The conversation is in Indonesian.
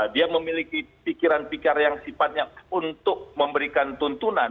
dia memiliki pikiran pikir yang sifatnya untuk memberikan tuntunan